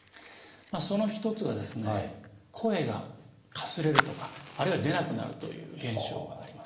その一つがですね声がかすれるとかあるいは出なくなるという現象がありますね。